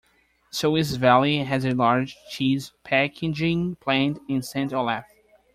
Swiss Valley has a large cheese packaging plant in St. Olaf.